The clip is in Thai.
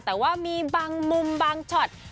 แต่ว่ามีบางมุมบางช็อต